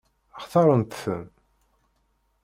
Xtaṛent-ten?